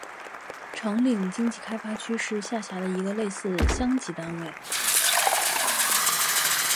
长岭经济开发区是下辖的一个类似乡级单位。